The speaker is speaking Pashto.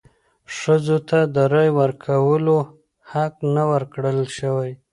ښځو ته د رایې ورکولو حق نه و ورکړل شوی.